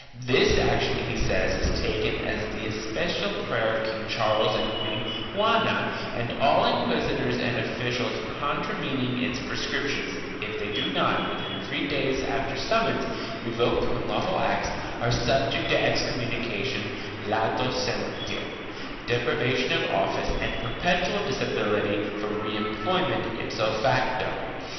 This action, he says, is taken at the especial prayer of King Charles and Queen Juana and all inquisitors and officials contravening its prescriptions, if they do not, within three days after summons, revoke their unlawful acts, are subject to excom munication latcu se7ilentio3, deprivation of office and perpetual dis ability for re employment, ipso facto.